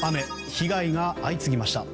被害が相次ぎました。